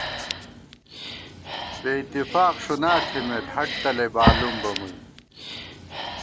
بے اِتفاق ݭُنا تھِمېت، ہڈ تلَئ بالُم بہ مُوئی